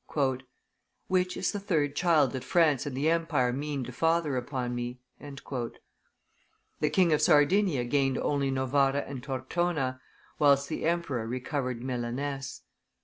"Which is the third child that France and the empire mean to father upon me?" The King of Sardinia gained only Novara and Tortona, whilst the emperor recovered Milaness.